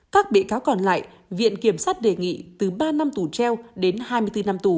các bị cáo còn lại viện kiểm sát đề nghị từ ba năm tù treo đến hai mươi bốn năm tù